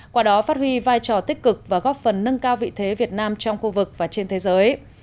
qua đó phát huy vai trò tích cực và góp phần nâng cao vị thế việt nam trong khu vực và trên thế giới